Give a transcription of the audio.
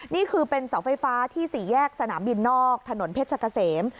นี่คือเป็นเสาไฟฟ้าที่๔แยกสนามบินนอกถนนเพชรกะเสม